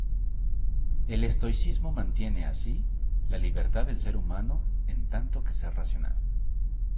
El estoicismo mantiene así la libertad del ser humano en tanto que ser racional.